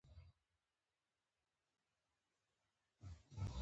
که غواړى، چي تاریخ جوړ کئ؛ نو له ځانه ښه راهبر جوړ کئ!